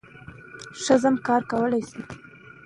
که موږ په پښتو وغږیږو، نو اړیکې به نوي او قوي سي.